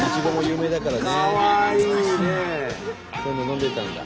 こういうの飲んでたんだ。